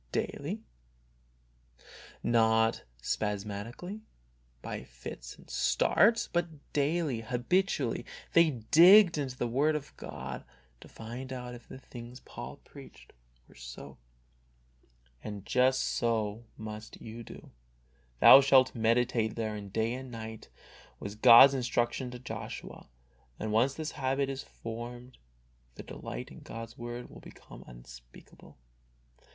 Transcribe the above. Daily, not spasmodically, by fits and starts, but daily, habitually, they digged into the Word of God, to find out if the things Paul preached were HOW TO STUDY THE BIBLE. 105 SO. And just so must you do. ''Thou shalt meditate therein day and night/^ was God^s instruction to Joshua. And once this habit is formed the delight in God's Word will become unspeakable.